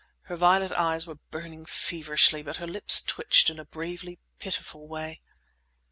Her violet eyes were burning feverishly, but her lips twitched in a bravely pitiful way.